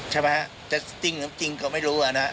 ใช่ไหมจะจริงหรือจริงก็ไม่รู้อะนะ